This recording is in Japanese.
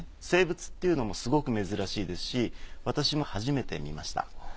静物っていうのもすごく珍しいですし私も初めて見ました。